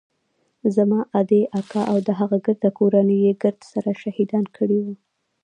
زما ادې اکا او د هغه ګرده کورنۍ يې ګرد سره شهيدان کړي وو.